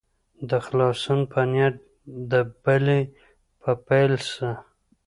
د خلاصون په نیت دبلي په پیل سه.